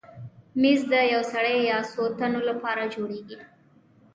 مېز د یو سړي یا څو تنو لپاره جوړېږي.